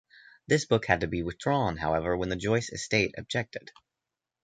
This book had to be withdrawn, however, when the Joyce estate objected.